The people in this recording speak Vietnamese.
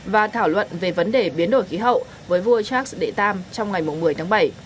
và thảo luận về vấn đề biến đổi khí hậu với vua charles iii trong ngày một mươi tháng bảy